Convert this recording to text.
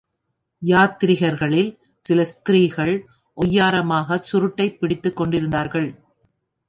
யாத்திரிகர்களில் சில ஸ்திரீகள் ஒய்யாரமாகச் சுருட்டைப் பிடித்துக் கொண்டிருந்தார்கள்.